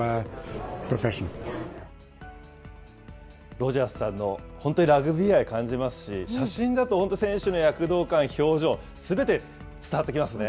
ロジャースさんの本当にラグビー愛感じますし、写真だと本当に選手の躍動感、表情、すべて伝わってきますね。